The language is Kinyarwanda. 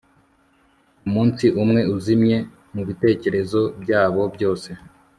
Umunsi umwe uzimye mubitekerezo byabo byose